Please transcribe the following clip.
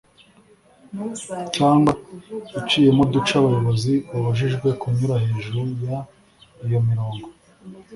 cyangwa iciyemo uduce abayobozi babujijwe kunyura hejuru y iyo mirongo